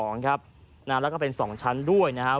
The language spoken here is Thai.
น้ำราก็เป็น๒ชั้นด้วยนะครับ